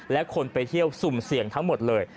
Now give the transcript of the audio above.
และคนไปเที่ยวสุ่มเสี่ยงทั้งหมดเลย